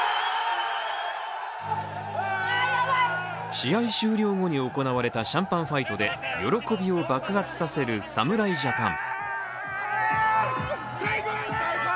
試合終了後に行われたシャンパンファイトで喜びを爆発させる侍ジャパン。